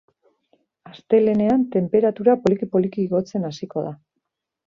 Astelehenean tenperatura poliki-poliki igotzen hasiko da.